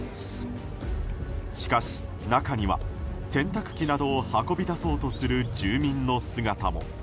しかし、中には洗濯機などを運び出そうとする住民の姿も。